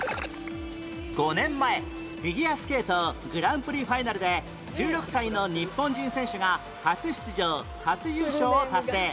５年前フィギュアスケートグランプリファイナルで１６歳の日本人選手が初出場初優勝を達成